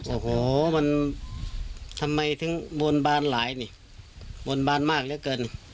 โอ้โหมันทำไมถึงบนบานหลายนี่บนบานมากเหลือเกิน